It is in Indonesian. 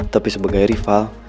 tapi sebagai rival